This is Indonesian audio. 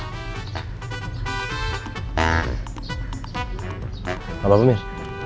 gak apa apa mir